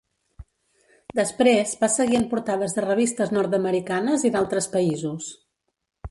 Després va seguir en portades de revistes nord-americanes i d'altres països.